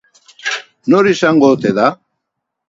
Nor izango ote da?